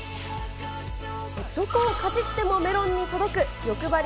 どこをかじってもメロンに届くよくばり